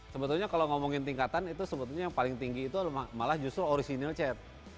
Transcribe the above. sebetulnya kalau ngomongin tingkatan itu sebetulnya yang paling tinggi itu malah justru orisinil chat